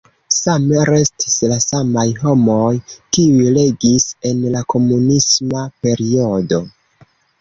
Same restis la samaj homoj, kiuj regis en la komunisma periodo.